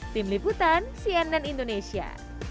tim liputan cnn indonesia